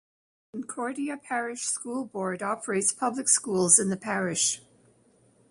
Concordia Parish School Board operates public schools in the parish.